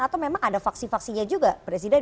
atau memang ada faksi faksinya juga presiden